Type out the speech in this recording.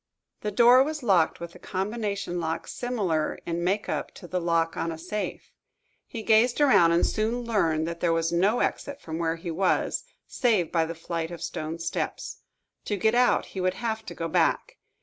The door was locked with a combination lock similar in make up to the lock on a safe. He gazed around, and soon learned that there was no exit from where he was, save by the flight of stone steps. To get out, he would have to go back.